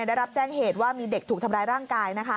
ได้รับแจ้งเหตุว่ามีเด็กถูกทำร้ายร่างกายนะคะ